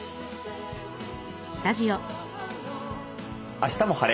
「あしたも晴れ！